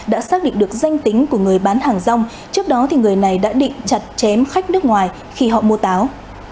đã xác định được danh tính của người bán hàng rong trước đó người này đã định chặt chém khách nước ngoài khi họ mua táo